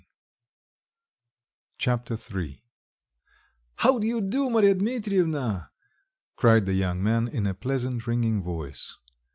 Chapter III "How do you do, Marya Dmitrievna?" cried the young man in a pleasant, ringing voice.